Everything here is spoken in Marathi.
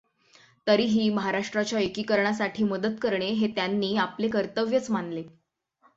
तरीही महाराष्ट्राच्या एकीकरणासाठी मदत करणे हे त्यांनी आपले कर्तव्यच मानले.